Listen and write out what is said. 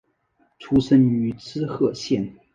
出身于滋贺县。